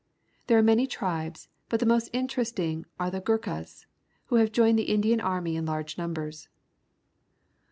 There are many tribes, but the most interesting are the Goorklias, who have joined the Indian army in large numbers.